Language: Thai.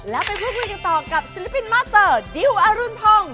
แล้วไปพูดคุยกันต่อกับศิลปินมาเตอร์ดิวอรุณพงศ์